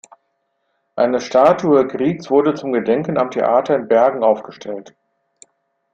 Eine Statue Griegs wurde zum Gedenken am Theater in Bergen aufgestellt.